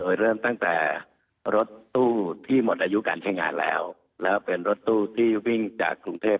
โดยเริ่มตั้งแต่รถตู้ที่หมดอายุการใช้งานแล้วแล้วเป็นรถตู้ที่วิ่งจากกรุงเทพ